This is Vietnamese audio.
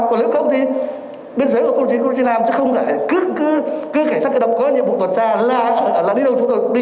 còn nếu không thì biên giới của công an làm chứ không phải cứ cảnh sát cơ động có nhiệm vụ tuần tra là đi đâu chúng ta đi